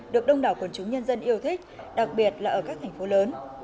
được đông đảo quần chúng nhân dân yêu thích đặc biệt là ở các thành phố lớn